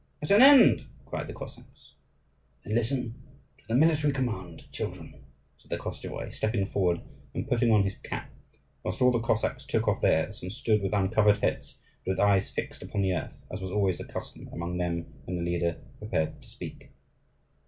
"At an end!" cried the Cossacks. "Then listen to the military command, children," said the Koschevoi, stepping forward, and putting on his cap; whilst all the Cossacks took off theirs, and stood with uncovered heads, and with eyes fixed upon the earth, as was always the custom among them when the leader prepared to speak.